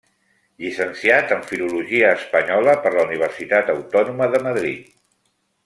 Llicenciat en Filologia Espanyola per la Universitat Autònoma de Madrid.